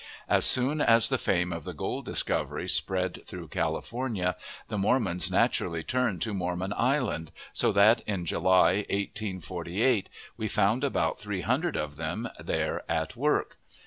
As soon as the fame of the gold discovery spread through California, the Mormons naturally turned to Mormon Island, so that in July, 1848, we found about three hundred of them there at work.